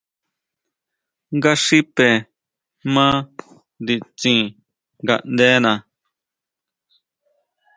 Nga xipe ma nditsin ngaʼndena.